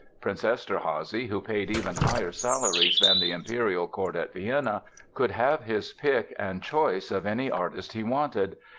Prince Eszterházy, who paid even higher salaries than the imperial court at Vienna, could have his pick and choice of any artist he wanted.